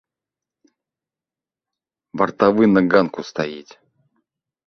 Вартавы на ганку стаіць.